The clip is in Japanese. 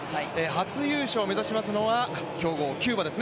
初優勝を目指しますのは強豪・キューバです。